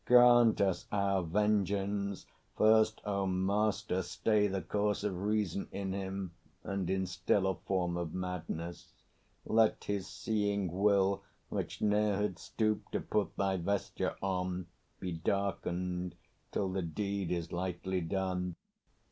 Grant us our vengeance! First, O Master, stay The course of reason in him, and instil A foam of madness. Let his seeing will, Which ne'er had stooped to put thy vesture on, Be darkened, till the deed is lightly done.